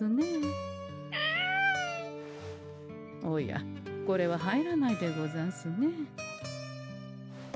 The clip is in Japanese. おやこれは入らないでござんすね。